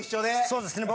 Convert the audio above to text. そうですね